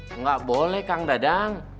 tidak boleh kang dadang